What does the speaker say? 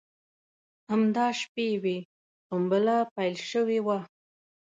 همدا شپې وې سنبله پیل شوې وه.